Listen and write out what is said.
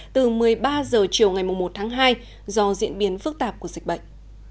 từ một mươi ba h chiều ngày một tháng hai do diễn biến phức tạp của dịch bệnh